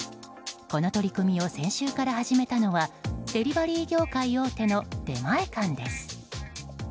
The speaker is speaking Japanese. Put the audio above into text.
この取り組みを先週から始めたのはデリバリー業界大手の出前館です。